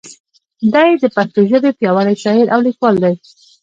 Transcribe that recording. دی د پښتو ژبې پیاوړی شاعر او لیکوال دی.